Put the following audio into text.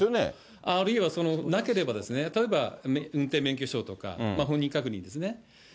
あるいはなければ、例えば運転免許証ですとか、本人確認ですね。